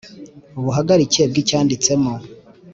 ubuhagarike bw’ibicyanditsemo